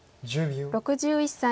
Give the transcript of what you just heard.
６１歳。